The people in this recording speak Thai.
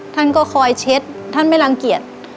ท่านก็คอยเช็ดท่านไม่รังเกียจ